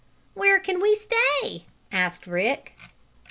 "Where can we stay?" asked Rick.